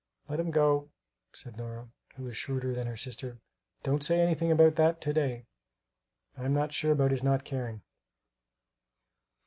"Let him go," said Nora, who was shrewder than her sister; "don't say anything about that to day; I'm not sure about his not caring."